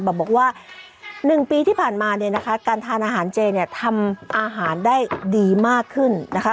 บอกว่า๑ปีที่ผ่านมาเนี่ยนะคะการทานอาหารเจเนี่ยทำอาหารได้ดีมากขึ้นนะคะ